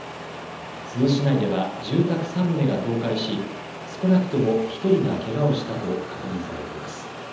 珠洲市内では住宅３棟が倒壊し少なくとも１人がけがをしたと確認されています。